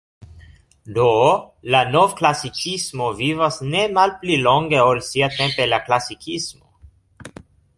Do, la novklasikismo vivas ne malpli longe ol siatempe la klasikismo.